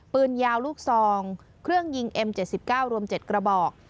ปืนยาวลูกซองเครื่องยิงเอ็มเจ็ดสิบเก้ารวมเจ็ดกระบอก